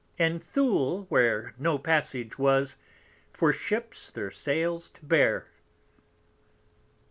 And Thule, where no Passage was For Ships their Sails to bear.